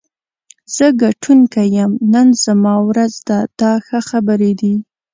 زه ګټونکی یم، نن زما ورځ ده دا ښه خبرې دي.